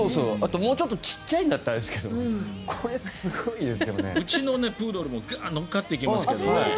もう少し小さいんだったらあれだけどうちのプードルも乗っかってきますけどね。